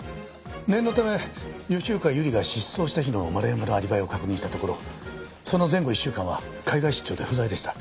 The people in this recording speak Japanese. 念のため吉岡百合が失踪した日の丸山のアリバイを確認したところその前後１週間は海外出張で不在でした。